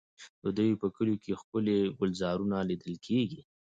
د دوی په کلیو کې ښکلي ګلزارونه لیدل کېږي.